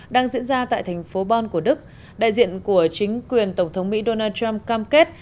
đang diễn ra tại thành phố bon của đức đại diện của chính quyền tổng thống mỹ donald trump cam kết